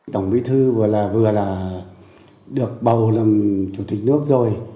tổng bí thư vừa là được bầu làm chủ tịch nước rồi